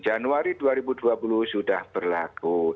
januari dua ribu dua puluh sudah berlaku